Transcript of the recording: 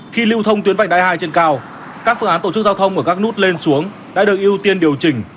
khi lưu thông tuyến vành đai hai trên cao các phương án tổ chức giao thông ở các nút lên xuống đã được ưu tiên điều chỉnh